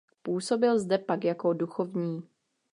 Působil zde pak jako duchovní.